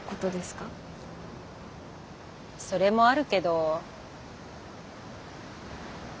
それもあるけど。